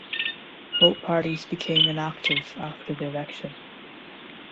Both parties became inactive after the election.